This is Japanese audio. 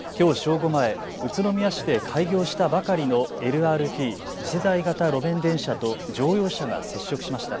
午前、宇都宮市で開業したばかりのＬＲＴ・次世代型路面電車と乗用車が接触しました。